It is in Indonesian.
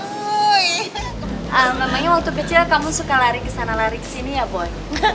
namanya waktu kecil kamu suka lari ke sana lari ke sini ya boy